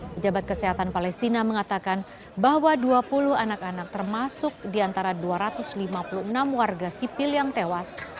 pejabat kesehatan palestina mengatakan bahwa dua puluh anak anak termasuk di antara dua ratus lima puluh enam warga sipil yang tewas